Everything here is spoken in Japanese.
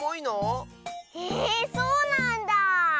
へえそうなんだ。